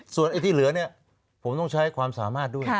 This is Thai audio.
ส่วนไอ้ที่เหลือเนี่ยผมต้องใช้ความสามารถด้วย